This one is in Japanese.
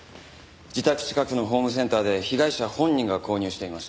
自宅近くのホームセンターで被害者本人が購入していました。